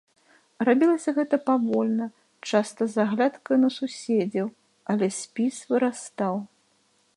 Рабілася гэта павольна, часта з аглядкаю на суседзяў, але спіс вырастаў.